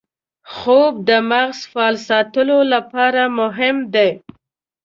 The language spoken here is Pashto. خوب د مغز فعال ساتلو لپاره مهم دی